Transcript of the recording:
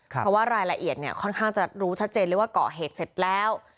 เพราะว่ารายละเอียดเนี่ยค่อนข้างจะรู้ชัดเจนเลยว่าเกาะเหตุเสร็จแล้ว